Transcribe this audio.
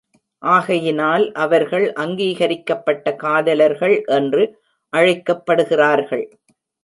ஆகையினால் அவர்கள் அங்கீகரிக்கப்பட்ட காதலர்கள் என்று அழைக்கப்படுகிறார்கள்.